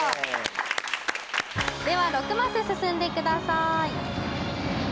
では６マス進んでください